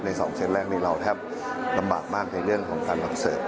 ในสองเซ็นต์แรกนึงเราแทบลำบากมากในเรื่องของการเสิร์ฟ